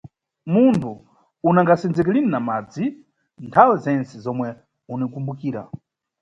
Munthu unagasenzeke lini na madzi nthawe zentse zomwe unikumbukira.